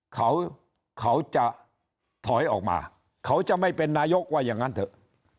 เขาเขาจะถอยออกมาเขาจะไม่เป็นนายกว่าอย่างนั้นเถอะ